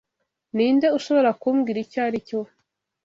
Ninde ushobora kumbwira icyo aricyo?